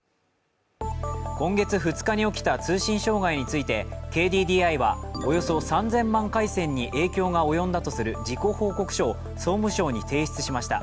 今月２日に起きた通信障害についてＫＤＤＩはおよそ３０００万回線に影響が及んだとする事故報告書を総務省に提出しました。